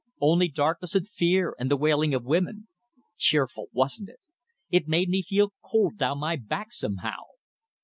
Only darkness and fear and the wailing of women.' Cheerful, wasn't it? It made me feel cold down my back somehow.